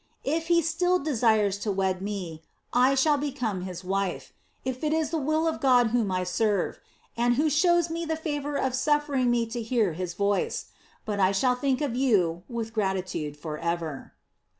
If he still desires to wed me, I shall become his wife, if it is the will of the God whom I serve, and who shows me the favor of suffering me to hear his voice. But I shall think of you with gratitude forever."